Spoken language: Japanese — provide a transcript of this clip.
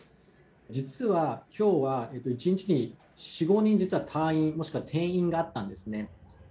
実はきょうは１日に４、５人退院、もしくは転院があったんですね。